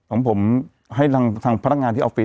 ของผมให้ทางพนักงานที่ออฟฟิศ